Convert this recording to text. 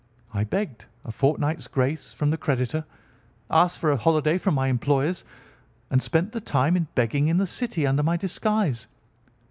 I begged a fortnight's grace from the creditor, asked for a holiday from my employers, and spent the time in begging in the City under my disguise.